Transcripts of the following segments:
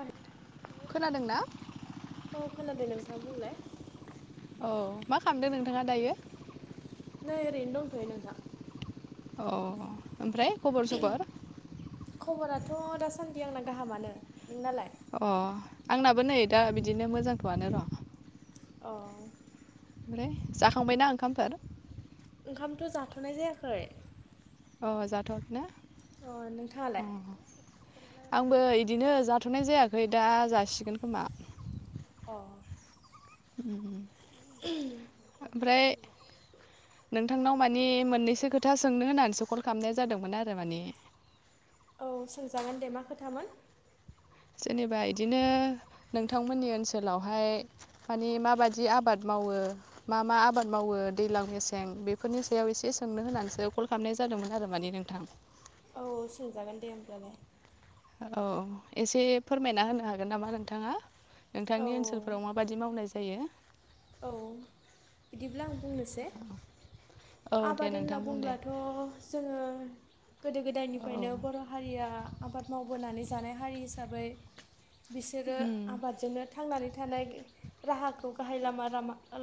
आरो खोनादों ना औ खोनादों नोंथां बुंलाय औ मा खालामदों नोंथाङा दायो नै ओरैनो दं नोंथां अ ओमफ्राय खबर सबर खबराथ' दासान्दि आंना गाहामानो नोंनालाय अ आंनाबो नै दा बिदिनो मोजांखौआनो र' औ ओमफ्राय जाखांबायनाा ओंखामफोर ओंखामथ' जाथ'नाय जायाखै अ जाथर ने अ नोंथाङालाय अ आंबो इदिनो जाथ'नाय जायाखै दा जासिगोन खोमा अ ए उ ओमफ्राय नोंथांनाव मानिे मोननैसो खोथा सोंनो होननानैसो कल खालामनाय जादोंमोन आरो माने औ सोंजागोन दे मा खोथामोन जेनेबा इदिनो नोंथांमोननि ओनसोलावहाय माने माबायि आबाद मावो मा मा आबाद मावो दैजलां मेसें बेफोरनि सायाव एसे सोंनो होनानैसो कल खालामनाय ज जादोंमोन आरो माने नोंथां औ औ सोंजागोन दे होमब्लालाय औ एसे फोरमायना होनो हागोन नामा नोंथाङा औ नोंथांनि ओनसोलफोराव माबायि मावनाय जायो औ बिदिब्ला आं बुंनोसै औ दे आबाद होनना नोंथां बुं दे बुंब्लाथ' जोङो गोदो औ गोदायनिफ्रायनो बर' हारिया आबाद मावबोनानै जानाय हारि हिसाबै बिसोरो उम आबादजोंनो थांनानै थानाय राहाखौ गाहाय लामा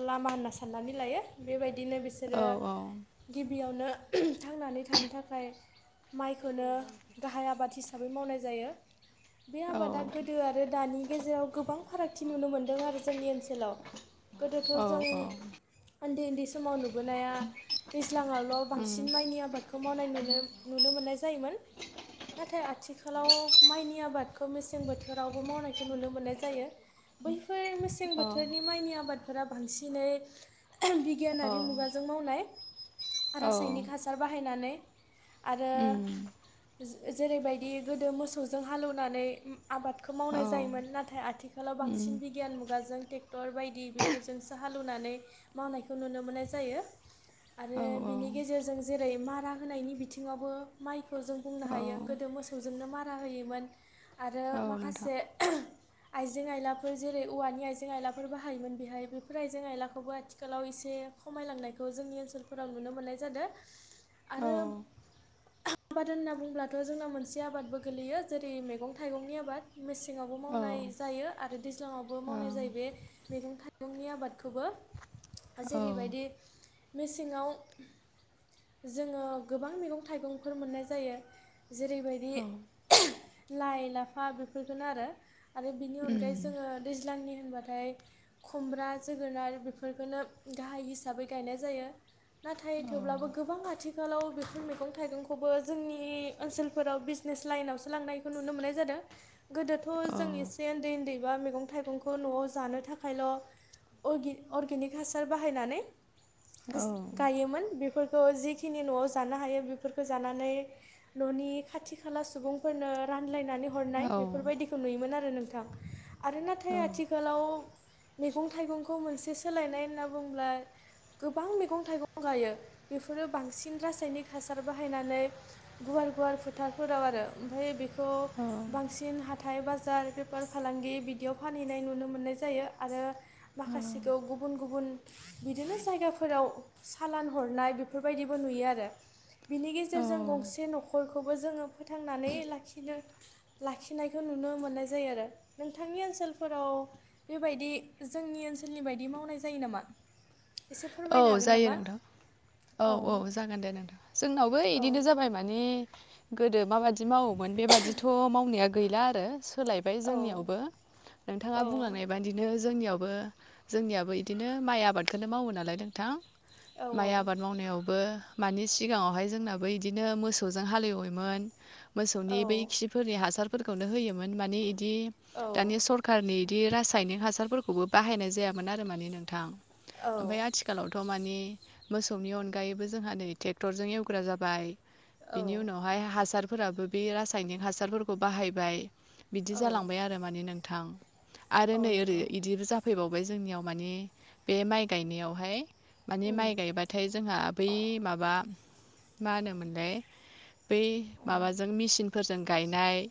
लामा होनना साननानै लायो बेबायदिनो औ बिसोरो गिबियावनो थांनानै थानो थाखाय माइखौनो गाहाय आबाद हिै हिसाबै मावनाय जायो बे औ आबादा गोदो आरो दानि गेजेराव गोबां फारागथि नुनो मोन्दों आरो जोंनि ओनसोलाव गोदोथ' औ जों उन्दै उन्दै समाव नुबोनाया दैज्लाङावल' उम बांसिन माइनि आबादखौ खौ मावनाय नुनो नुनो मोननाय जायोमोन नाथाय आथिखालाव माइनि आबादखौ मेसें बोथोरावबो मावनायखौ नुनो मोननाय जायो बैफोर मेसें औ बोथोरनि माइनि आबादफोरा बांसिनै औ गियानारि मुगाजों मावनाय रासायनिक हासार बाहायनानै आरो उम जेरैबायदि गोदो मोसौजों हालौवनानै आबादखौ औ मावनाय जायोमोन नाथाय आथिखालाव उम बांसिन बिगियान मुगाजों टेक क्टर बायदि बेफोरजोंसो हाल एवनानै मावनायखौ नुनो मोननाय जायो। आरो औ बिनि गेजेरजों जेरै मारा होनायनि बिथिङावबो माइखौ जों बुंनो औ हायो गोदो मोसौ मोसौजोंनो मारा होयोमोन आरो औ नोंथां माखासे आइजें आइलाफोर जेरै औवानि आइजें आइलाफोर बाहायोमोन बेहाय बेफोर आइजें आइलाखौबो आथिखालाव एसे खमायलांनायखौ जोंनि ओनसोलफोराव नुनो मोननाय जादों औ आरो आबाद होनना बुंब्लाथ' जोंना मोनसे आबादबो गोलैयो जेरै मैगं थाइगंनि आबाद मेसेङावबो मावनाय जायो आरो दैज्लाङावबो मावनाय ओं जायो बे मैगं थाइ मैगुंनि आबादखौबो औ जेरैबायदि मेसेङाव जोङो गोबां मैगं थाइगंफोर मोननाय जायो जेरैबायदि औ बि लाइ लाफा बिफोरखोनो आरो। आरो बिनि अनगायै उम जोङो दैज्लांनि होनबाथाय खुमब्रा, जोगोनार बेफोरखोनो गाहाय हिसाबै गायनाय जायो। नाथाय औ थेवब्लाबो गोबां आथिं आथिखालाव बेफोर मैगं थाइगंखौबो जोंनि ओनसोलफोराव बिजनेस लाइनावसो लांनाय नुनो मोननाय जादों। गोदोथ' औ जों एसे ओन्दै ओन्दै एबा मैगं थाइगंखौ न'आव जानो थाखायल' अर्गि-अर्गेनिक हासार बाहायनानै औ होस योमोन बेफोरखौ जिखिनि न'आव जानो हायो बेफोरखो जानानै न'नि खाथि खाला सुबुंफोरनो रानलायनानै हरनाय औ बेफोरबायदिखौ नुयोमोन आरो नोंथां आरो नाथाय आथि खालाव मैगं थाइगंखौ मोनसे सोलायनाय होनना बुंब्ला गोबां मैगं थाइगं गायो बेफोरो बांसिन रासायनिक हासार बाहायनानै गुवार गुवार फोथारफोराव आरो ओमफाय बेखौ अ बांसिन हाथाइ बाजार बेफार फालांगि बिदियाव फानहैनाय नुनो मोननाय जायो। आरो माखासेखौ गुबुन गुबुन बिदिनो जायगाफोराव सालान हरनाय बेफोरबायदिबो नुयो आरो। बिनि गेजेरजों गंसे औ न'खर खौबो जोङो फोथांनानै लाखिनो लाखिनायखौ नुनो मोननाय जायो आरो। नोंथांनि ओनसोलफोराव बेबायदि जोंनि ओनसोलनि बायदि मावनाय जायो नामा? एसे फोरमायना औ जायो नोंथां औ औ जागोन दे नोंथां जोंनावबो औ इदिनो जाबाय मानि गोदो माबादि मावोमोन बेबादिथ' मावनाया गैला आरो सोलायबाय औ जोंनियावबो। नोंथाङा औ बुंलांनाय बादिनो जोंनियावबो जोंनियाबो इदिनो माइ आबादखोनो मावो नालाय नोंथां औ माइ आबाद मावनायावबो मानि सिगाङावहाय जोंनाबो इदिनो मोसौजों हाल एवोमोन। मोसौनि औ बै खि फोरनि हासारफोरखौनो होयोमोन माने इदि औ दानि सर खारनि इदि रासायनिक हासारफोरखौबो बाहायनाय जायामोन आरो मानि नोंथां। औ ओमफाय आथि खालावथ' माने मोसौनि अनगायैबो जोंहा नै ट्रेक्टरजों एवग्रा जाबाय। औ बिनि उनावहाय हासारफोराबो बे रासायनिक हासारफोरखौ बाहायबाय। बिदि औ जालांबाय आरो माने नोंथां। आरो औ नै ओरै नंगौ इदि जाफ फैबावबाय जोंनियाव मानि बे माइ गायनायावहाय माने उम माइ गायबाथाय जोंहा बै माबा मा होनोमोनलाय बै माबाजों मिसिनफोरजों गायनाय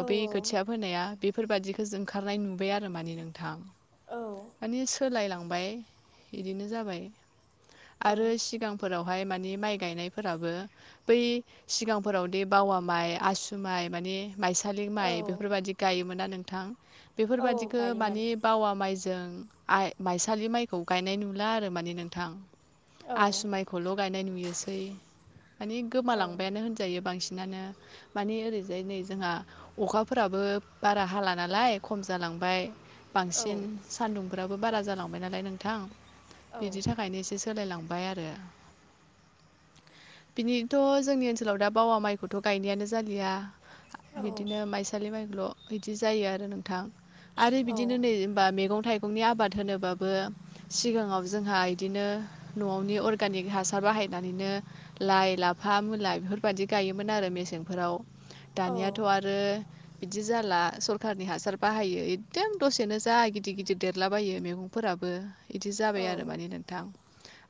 औ बै औ खोथिया फोनाया बे बेफोरबादिखो जों ओंखारनाय नुबाय आरो माने नोंथां। औ मानि सोलायलांबाय। बिदिनो जाबाय। औ आरो सिगांफोरावहाय मानि माइ गायनायफोराबो बै सिगांफोरावदि बावा माइ आसु माइ माने माइसालि औ माइ बेफोरबादि, गायोमोना नोंथां! औ बेफोरबादिखौ गायोमोन मानि बावा माइजों आइ माइसालि माइखौ, गायनाय नुला आरो माने नोंथां। औ आसु माइखौल' गायनाय नुयोसै मानि औ गोमालांबायानो होनजायो बांसिनानो। मानि ओरैजाय नै जोंहा अखाफोराबो बारा हाला नालाय खम जालां बाय औ बांसिन सानदुंफ्राबो बारा जालांबाय नालाय नोंथां बिनि था खायनो एसे सोलायलांबाय आरो। बिनिथ' जोंनि ओनसोलाव दा बावा माइखौथ' गायनायानो जालिया। औ बिदिनो माइसालि माइल' इदि जायो आरो नोंथां। आरो औ बिदिनो नै बा मैगं-थाइगंनि आबाद होनोबाबो सिगाङाव जोंहा इदिनो न'आवनि अरगानिक हासार बाहायनानैनो लाइ, लाफा, मुला बेफोरबायदि गायोमोन आरो मेसेंफोराव दानियाथ आरो आरो, बिदि जाला सरखारनि हासार बाहायो एकदम दसेनो जा गिदिर-गिदिर देरलाबायो मैगं फोराबो इदि जाबाय आरो माने नोंथां।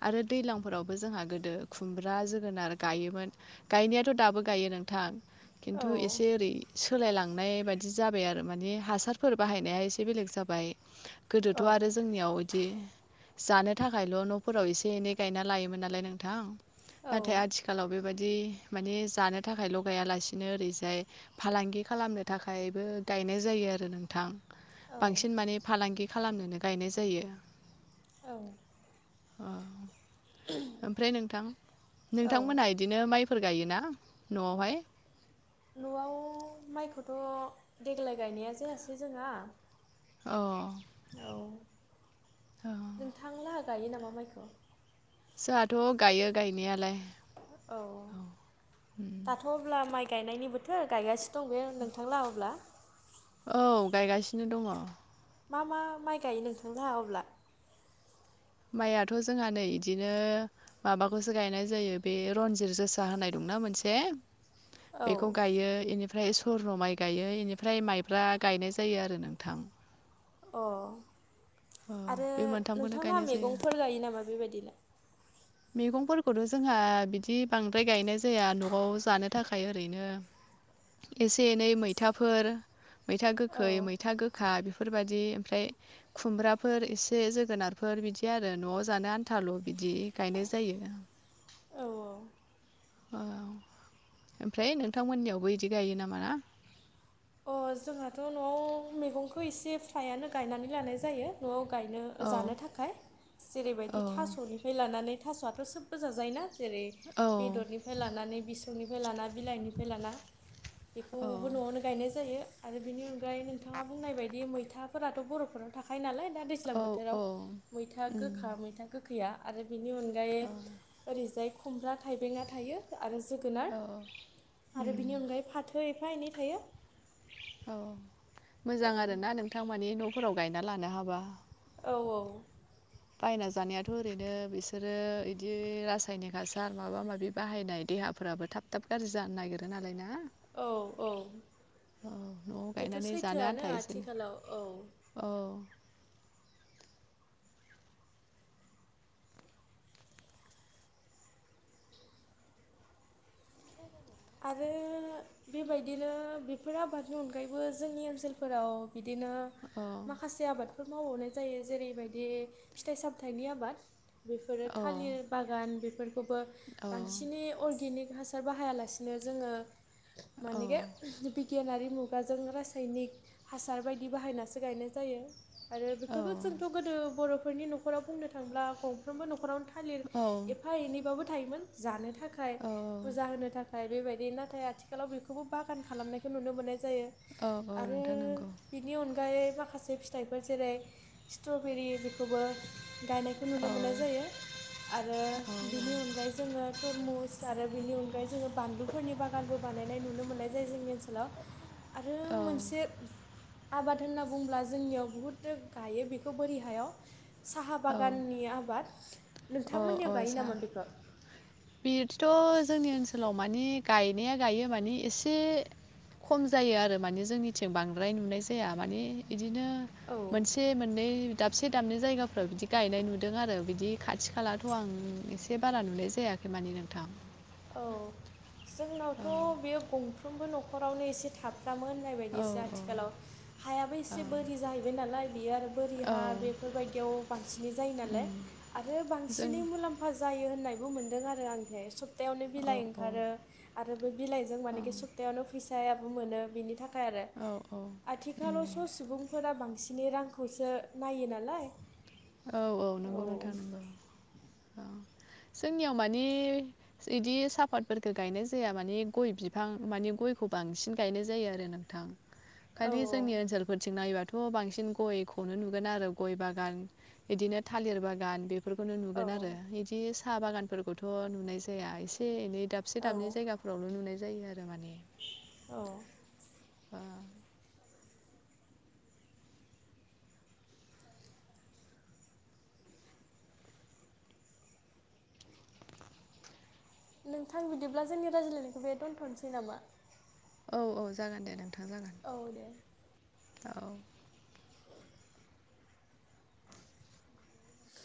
आरो दैज्लांफोरावबो जोंहा गोदो खुमब्रा, जोगोनार गाइयोमोन। गायनायाथ दाबो गायो नोंथां खिन्थु एसे ओरै सोलायलांनाय बायदि, [unintelligible] जाबाय आरो मानि हासारफोर बाहायनाया एसे बेलेग जाबाय गोदोथ' आरो जोंनियाव बिदि जानो थाखायल' न'फोराव एसे एनै गायना लायोमोन नालाय नोंथां! नाथाय आथिखालाव बेबादि माने जानो थाखायल गाइआलासिनो ओरैजाय! फालांगि खालामनो थाखायबो गायनाय जायो आरो नोंथां। बांसिन माने फालांगि खालामनोनो गायनाय जायो। औ! अ! ओमफ्राय नोंथां औ नोंथांमोन [unintelligible] बिदिनो माइफोर गायोना न'आवहाय? न'आव माइखौथ' देग्लाय गायनाया जायासै जोंहा, अ! औ! [unintelligible] नोंथांलाहा गाइयो नामा माइखौ? जोंहाथ' गाइयो गायनायालाय औ ओम! दाथ' अब्ला माइ गायनायनि बोथोर गायगासिनो दं बे नोंथांला अब्ला? औ गायगासिनो दंङ। मा-मा माइ गाइयो नोंथांलाहा अब्ला? माइयाथ' जोंहा नै इदिनो माबाखौसो गायनाय जायो बे रनजित जोसा होननाय दंना मोनसे औ बेखौ गाइयो इनि [unintelligible] ओमफ्राय स [unintelligible] माइ गाइयो बेनिफ्राय माइब्रा गायनाय जायो आरो नोंथां। अ! औ आरो बे मोनथामखौनो नोंथांङालाहा गायनाय जायो मैगंफोर गाइयो नामा बेबायदिनो? मैगंफोरखौथ' जोंहा बिदि बांद्राय गायनाय जाया न'आव जानो थाखाय ओरैनो एसे-एनै मैथाफोर मैथा औ गोखै मैथा गोखै [unintelligible] खा बेफोरबायदि ओमफ्राय खुमब्राफोर एसे जोगोनारफोर बिदि आरो न'आव जानो आनथाल' बिदि! गायनाय जायो। औ-औ! औ! ओमफ्राय नोंथांमोननियावबो इदि गाइयो नामा ना? अ जोंहाथ' न'आव मैगंखौ एसे फ्राइयानो गायनानै लानाय जायो! न'आव गायनो औ जानो थाखाय जेरैबायदि औ थास'नि फै लानानै थास'आथ' सोबबो जायोना जेरै औ बेदरनि खौ लानानै बिसंनिफ्राय लाना बिलाइनिफ्राय लाना औ बेखौबो न'आवनो गायनाय जायो आरो बिनि अनगायै नोंथाङा बुंनाय बायदि मैथाफोराथ' बर'फोराव थाखायायो नालाय दा दैज्लां औ बोथोराव औ मैथा उम गोखा मैथा गोखैया आरो बेनि अनगायै औ ओरैजाय खुमब्रा थाइबेंआ थायो आरो जोगोनार औ आरो उम बेनि अनगायै फाथो दै एफा एनै थायो औ मोजां औ आरोना नोंथां मानि न'फोराव गायना लानो हाबा औ औ बायना जानायाथ' ओरैनो बिसोरो इदि रासायनिक हासार माबा-माबि बाहायनाय देहाफोराबो थाब थाब गाज्रि जानो नागिरो नालाय ना? औ औ औ न'आव बेथ' गायनानै जानो सैथोआनो आथा आथिखालाव औ एसेनो औ [inaudible] आरो बेबायदिनो बेफोर आबादनि अनगायैबो जोंनि ओनसोलफोराव बिदिनो औ माखासे आबादफोर मावबावनाय जायो जेरैबायदि फिथाइ सामथाइनि आबाद बेफोरो औ थालिर बागान बेफोरखौबो औ बांसिनै अर्गेनिक हासार बाहायालासे बिदिनो जोङो औ मानगे गियानारि मुगाजों रासायनिक हासार बायदि बाहायनासो गायनाय जायो आरो बेफोरखौ जोंथ' गोदो बर'फोरनि न'खराव बुंनो थांब्ला गंफ्रोमबो न'खरावनो थां थालिर एफा एनैबाबो थायोमोन जानो थाखाय औ फुजा होनो थाखाय नाथाय बेबायदि नाथाय आथिखालाव बेखौबो बागान खालामनायखौ नुनो मोननाय जायो औ औ आरो नोंथां नंगौ बि बेनि अनगायै माखासे फिथाइफोर जेरै स्ट्रबेरि बेखौबो गायनाय खौ नुनो औ मोननाय जायो आरो औ बेनि अनगायै जोङो तरमुस आरो बेनि अनगायै जोङो बानलुफोरनि बागानबो बानायनाय नुनो मोननाय जायो जोंनि ओनसोलाव आरो मोनसे आबाद होनना बुंुङोब्ला जोंनियाव बुहुथ गायो बेखौ बोरि हायाव साहा औ बागाननि आबाद औ औ नोंथांमोननियाव गायो सा नामा बेखौ बिदिथ' जोंनि ओनसोलाव मानिे गायनाया गायो माने एसे खम जायो आरो माने जोंनिथिं बांद्राय नुनाय जाया माने बिदिनो औ मोनसे मोननै दाबसे दाबनै जायगाफ्राव बिदि गायनाय नुदों आरो बिदि खाथि खालाथ' आं एसे बारा नुलाय जायाखै मानिे नोंथां औ जोंनावथ' बेयो गंफ्रोमबो न'खरावनो एसे थाब फ्रामोननाय औ बायदिसो आथिखालाव हायाबो एसे बोरि जाहैबाय नालाय बियो आरो बोरि औ हा बेफोरबायदियाव बांसिनै जायो नालाय उम, आरो जों बांसिनै मुलाम्फा जायो होननायबो मोनदों आरो आंहाय सब सप्तायावनो औ बिलाइ ओंखारो आरो बे बिलाइजों मानेखि सप्तायावनो फैसायाबो मोनो बिनि थाखाय आरो औ औ आथिखालाव उम स' सुबुं फोर बांसिनै रांखौसो नायो नालाय औ औ नंगौ नोंथां नोंगौ [inaudible] जोंनियाव माने बिदि सापातफोरख गायनाय जाया मानिे गय बिफां माने गयखौ बांसिन गायनाय जायो आरो नोंथां [inaudible] खालि जोंनि औ ओनसोलफोरथिं नायोबाथ' बांसिन गयखौनो नुगोन आरो गय बागान बिदिनो थालिर बागान बेफोरखौनो नुगोन आरो बिदि साहा बागानफोरखौथ' नुनाय जाया एसे एनै दाबसे औ दाबनै जायगाफोर फोरावलनो नुनाय जायो आरो माने औ अ नोंथां बिदिब्ला जोंनि रायज्लायनायखौ बे दोनथ'नोसै नामा औ औ जागोन दे नोंथां जागोन। औ दे। औ।